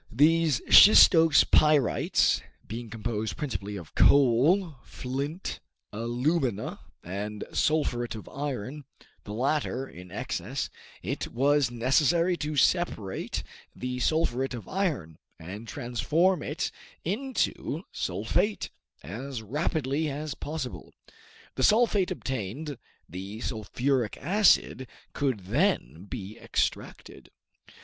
These shistose pyrites being composed principally of coal, flint, alumina, and sulphuret of iron the latter in excess it was necessary to separate the sulphuret of iron, and transform it into sulphate as rapidly as possible. The sulphate obtained, the sulphuric acid could then be extracted.